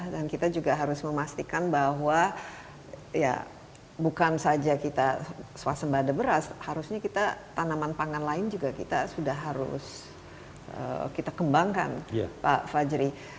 dan kita juga harus memastikan bahwa bukan saja kita swasembada beras harusnya kita tanaman pangan lain juga kita sudah harus kita kembangkan pak fajri